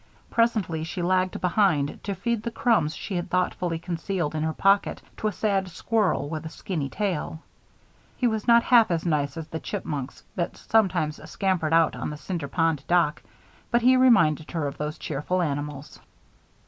Presently she lagged behind to feed the crumbs she had thoughtfully concealed in her pocket to a sad squirrel with a skinny tail. He was not half as nice as the chipmunks that sometimes scampered out on the Cinder Pond dock, but he reminded her of those cheerful animals.